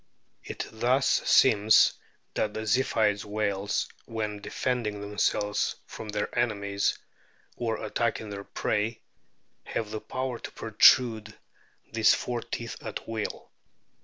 It thus seems that the Ziphioid whales, when defenclino themselves from their enemies, or o attacking their prey, have the power to protrude these 230 A BOOK OF WHALES four teeth at will."